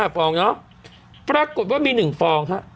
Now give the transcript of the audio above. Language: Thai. ฟองเนาะปรากฏว่ามี๑ฟองฮะ